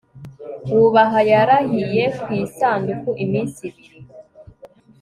wubaha, yarahiye ku isanduku iminsi ibiri